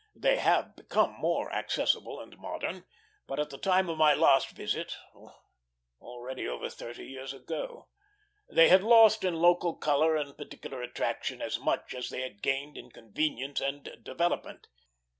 They have become more accessible and modern; but at the time of my last visit already over thirty years ago they had lost in local color and particular attraction as much as they had gained in convenience and development.